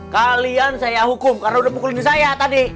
kalian saya hukum karena udah pukulin saya tadi